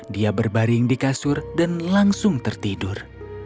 dia berbaring di kasur dan langsung tertidur